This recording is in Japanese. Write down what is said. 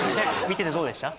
見ててどうでした？